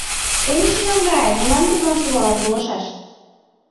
- Конешне, наҥгае, молан тудлан, кувалан, толашаш?